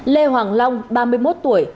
lê hoàng long ba mươi một tuổi